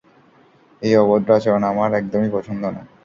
এই অভদ্র আচরণ আমার একদমই পছন্দ না!